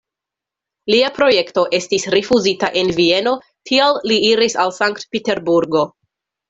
Lia projekto estis rifuzita en Vieno, tial li iris al Sankt-Peterburgo.